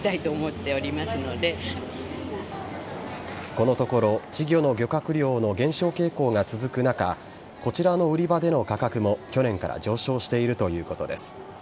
このところ稚魚の漁獲量の減少傾向が続く中こちらの売り場での価格も去年から上昇しているということです。